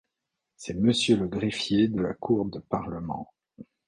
C’est monsieur le greffier de la cour de parlement.